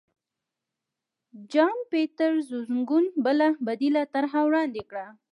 جان پیټرسزونکوین بله بدیله طرحه وړاندې کړه.